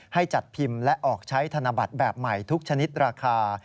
ให้จัดพิมพ์และออกใช้ธนบัตรแบบใหม่ทุกชนิดราคา